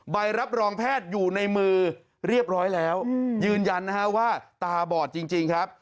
ใบรับรองแพทย์อยู่ในมือเรียบร้อยแล้วยืนยันนะฮะว่าตาบอดจริงครับ